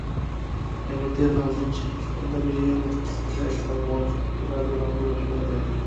এমনিতে ফাল্গুন শেষের সন্ধ্যা পেরিয়ে পথে নামলে একটা মন-ফুরফুরে আবহাওয়ার পরশ পাওয়া যায়।